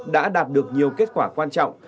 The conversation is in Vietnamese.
đã đạt được nhiều kết quả quan trọng